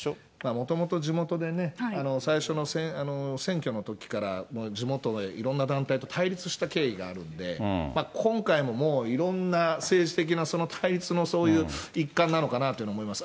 もともと地元でね、最初の選挙のときから地元でいろんな団体と対立した経緯があるんで、今回ももういろんな政治的なその対立のそういう一環なのかなと思います。